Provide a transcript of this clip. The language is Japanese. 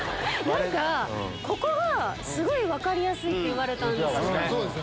ここがすごい分かりやすいって言われたんですよ。